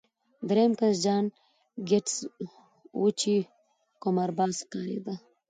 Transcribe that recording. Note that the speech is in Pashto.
درېیم کس جان ګیټس و چې قمارباز ښکارېده